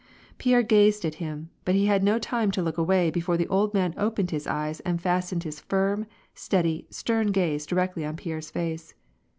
Pierre gazed at him, but he had no time to look away before the old man opened his eyes and fastened his firm, steady, stem gaze directly on Pierre's face.